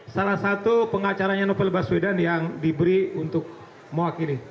salah satu pengacaranya novel baswedan yang diberi untuk mewakili